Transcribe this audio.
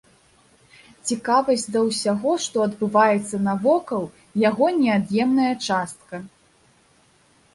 Цікавасць да ўсяго, што адбываецца навокал, яго неад'емная частка.